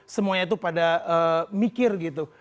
semuanya itu pada mikir gitu